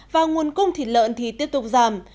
và nguồn cung thịt lợn thì tiếp tục giảm